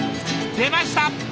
出ました！